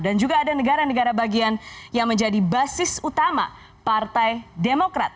juga ada negara negara bagian yang menjadi basis utama partai demokrat